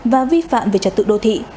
và vi phạm về trả tự đô thị